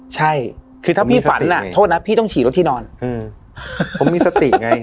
ใช่คือถ้าพี่ฝันอ่ะโทษนะพี่ต้องฉี่รถที่นอนผมมีสติไง